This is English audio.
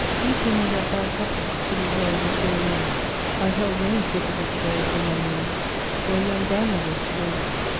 We two made up bad couplets to the air of the Tyrolienne. I have held many pretty little girls on my knees who are young grandmothers to day.